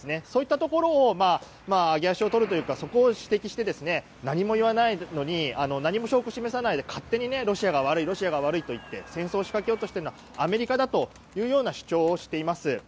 そういったところを揚げ足をとるというかそこを指摘して何も証拠を示さないで勝手にロシアが悪いと言って戦争を仕掛けようとしているのはアメリカだというような主張をしています。